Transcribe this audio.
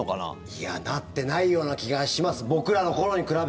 いやなってないような気がします。